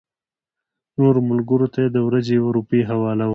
نورو ملګرو ته یې د ورځې یوه روپۍ حواله وه.